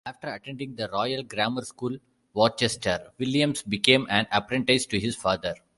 After attending the Royal Grammar School Worcester Williams became an apprentice to his father.